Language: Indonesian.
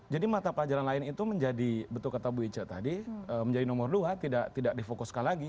jadi mata pelajaran lain itu menjadi betul kata bu ica tadi menjadi nomor dua tidak difokuskan lagi